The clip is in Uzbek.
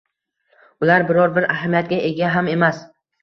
— ular biror-bir ahamiyatga ega ham emas.